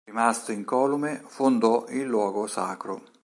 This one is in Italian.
Rimasto incolume fondò il luogo sacro.